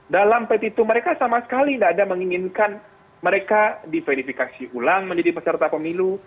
dalam pet itu mereka sama sekali tidak ada menginginkan mereka diverifikasi ulang menjadi peserta pemilu